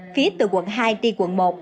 phía từ quận hai đi quận một